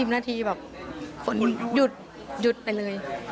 ๑๐นาทีแบบฝนหยุดหยุดไปเลย